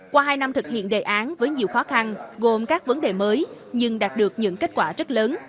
qua hai năm thực hiện đề án với nhiều khó khăn gồm các vấn đề mới nhưng đạt được những kết quả rất lớn